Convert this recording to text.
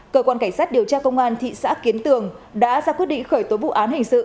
cơ quan cảnh sát điều tra công an thị xã kiến tường đã ra quyết định khởi tố vụ án hình sự